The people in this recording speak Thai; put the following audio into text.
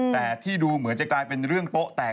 แต่ที่ดูเหมือนจะกลายเป็นเรื่องโป๊ะแตก